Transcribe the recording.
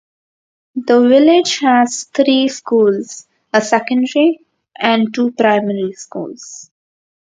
The village has three schools-a secondary and two primary schools.